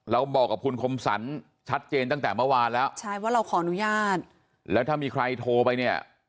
บอกกับคุณคมสรรชัดเจนตั้งแต่เมื่อวานแล้วใช่ว่าเราขออนุญาตแล้วถ้ามีใครโทรไปเนี่ย